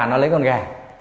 nó lấy con gà